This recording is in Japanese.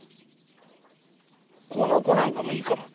この子なんかもいいかも。